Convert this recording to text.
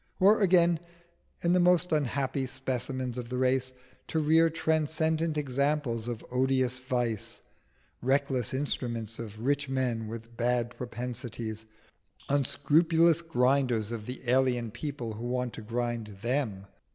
or again, in the most unhappy specimens of the race, to rear transcendent examples of odious vice, reckless instruments of rich men with bad propensities, unscrupulous grinders of the alien people who wanted to grind them?